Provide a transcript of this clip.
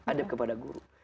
adab kepada guru